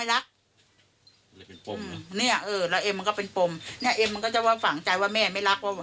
เนี้ยเออแล้วเอ็มมันก็เป็นปมเนี้ยเอ็มมันก็จะว่าฝังใจว่าแม่ไม่รัก